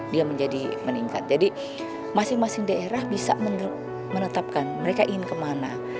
dia menjadi meningkat jadi masing masing daerah bisa menetapkan mereka ingin kemana